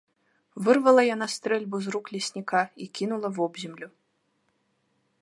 Вырвала яна стрэльбу з рук лесніка і кінула вобземлю.